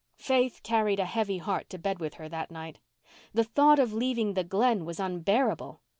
Faith carried a heavy heart to bed with her that night. The thought of leaving the Glen was unbearable.